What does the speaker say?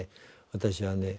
私はね